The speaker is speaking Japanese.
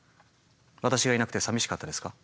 私がいなくてさみしかったですか？